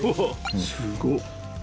すごっ。